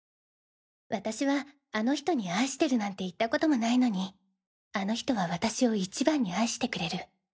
私はあの人に愛してるなんて言ったこともないのにあの人は私を一番に愛してくれる。